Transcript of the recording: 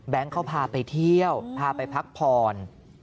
เขาพาไปเที่ยวพาไปพักผ่อน